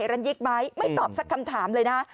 รันยิกไหมไม่ตอบสักคำถามเลยนะ